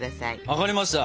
分かりました。